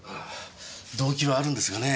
動機はあるんですがね